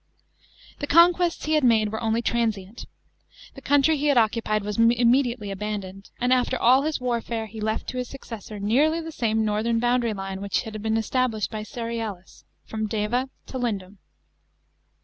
The conquests he had made were only transient. The country he had occupied was immediately abandoned, and, after all his war fare, he left to his successor nearly the same northern boundary line which had been established by Cerealis, from Deva to Lindum.